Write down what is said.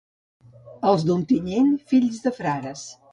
Els d'Ontinyent, fills de frares